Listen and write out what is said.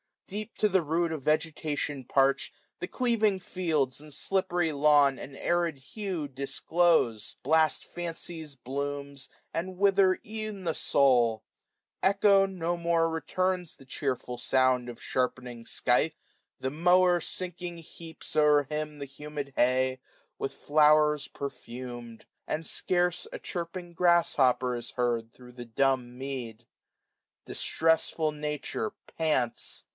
Deep to die root Of vegeudon parch'd, the cleaving fields 440 And slippery lawn an arid hue disclose ; Blast Fancy's blooms, and wither ev'n the SouL Echo no more returns the chearfiil sound Of sharpening scythe : the mower sinking heaps O'er him the humid hay, with flowers perfumM ; 445 And scarce a chirping grass hopper is heard Thro' the dumb mead. Distressful Nature pants.